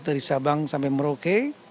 dari sabang sampai merauke